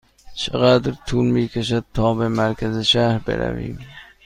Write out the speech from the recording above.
چقدر طول می کشد تا به مرکز شهر برویم؟